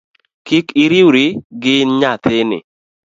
Kik iriwri gi nyathini